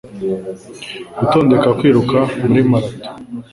gutondeka kwiruka muri marato,